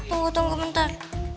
tunggu tunggu bentar